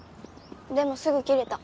でもすぐ切れた。